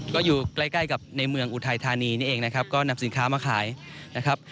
ก็อยู่ใกล้ใกล้กับในเมืองอุทัยธานีนี่เองนะครับก็นำสินค้ามาขายนะครับ